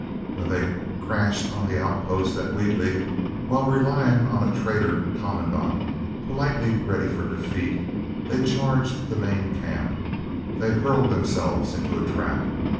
When they crashed on the outposts at Wheatley, when relying on a traitor commandant, politely ready for defeat, they charged the main camp, they hurled themselves into a trap.